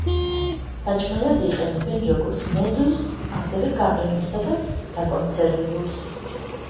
საჭმელად იყენებენ, როგორც ნედლს ასევე გაყინულს და დაკონსერვებულს.